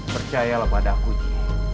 percayalah padaku ji